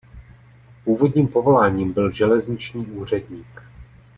Původním povoláním byl železniční úředník.